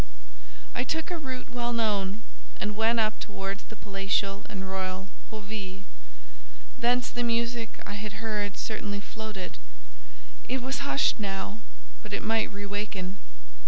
I took a route well known, and went up towards the palatial and royal Haute Ville; thence the music I had heard certainly floated; it was hushed now, but it might re waken.